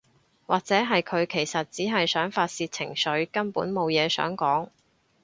或者係佢其實只係想發洩情緒，根本無嘢想講